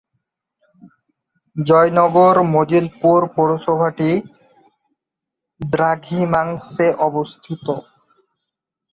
জয়নগর মজিলপুর পৌরসভাটি দ্রাঘিমাংশে অবস্থিত।